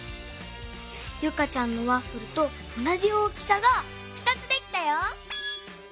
ユカちゃんのワッフルとおなじ大きさが２つできたよ！